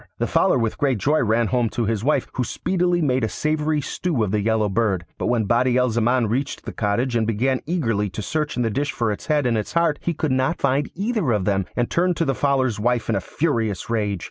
The Fowler with great joy ran home to his wife, who speedily made a savoury stew of the Yellow Bird. But when Badi al Zaman reached the cottage and began eagerly to search in the dish for its head and its heart he could not find either of them, and turned to the Fowler's wife in a furious rage.